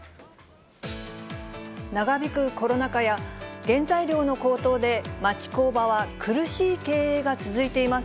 長引くコロナ禍や、原材料の高騰で町工場は苦しい経営が続いています。